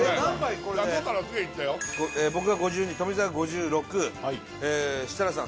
これで僕が５２富澤５６設楽さん